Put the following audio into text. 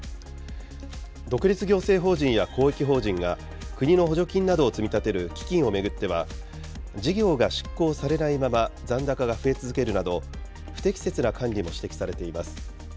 独立行政法人や公益法人が、国の補助金などを積み立てる基金を巡っては、事業が執行されないまま残高が増え続けるなど、不適切な管理も指摘されています。